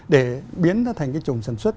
để biến nó thành cái chủng sản xuất